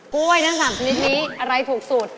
กล้วยทั้ง๓ชนิดนี้อะไรถูกสุด